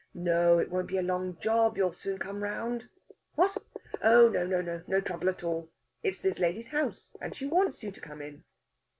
No, it won't be a long job. You'll soon come round.... What?... Oh no, no trouble at all! It's this lady's house, and she wants you to come in."